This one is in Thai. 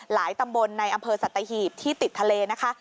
ตำบลในอำเภอสัตหีบที่ติดทะเลนะคะ